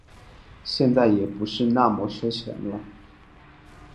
现在也不是那么缺钱了